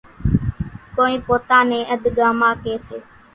ڪونئين پوتا نين اڌڳاما ڪيَ سي۔